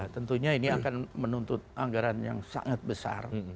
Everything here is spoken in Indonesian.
tentunya ini akan menuntut anggaran yang sangat besar